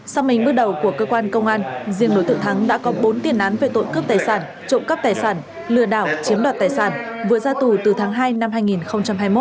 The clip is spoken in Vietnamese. sau mình bước đầu của cơ quan công an riêng đối tượng thắng đã có bốn tiền án về tội cướp tài sản trộm cắp tài sản lừa đảo chiếm đoạt tài sản vừa ra tù từ tháng hai năm hai nghìn hai mươi một